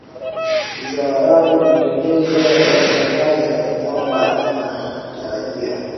za Waarabu Indonesia imetangaza ya kwamba inatarajia